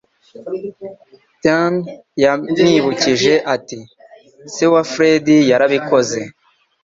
Dean yamwibukije ati: "Se wa Fred yarabikoze."